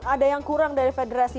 ada yang kurang dari federasi